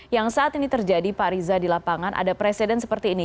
yang saat ini terjadi pak riza di lapangan ada presiden seperti ini